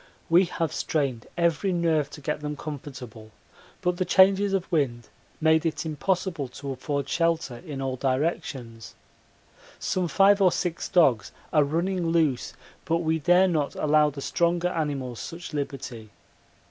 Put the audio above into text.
We have strained every nerve to get them comfortable, but the changes of wind made it impossible to afford shelter in all directions. Some five or six dogs are running loose, but we dare not allow the stronger animals such liberty.